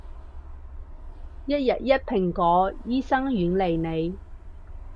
一日一蘋果，醫生遠離你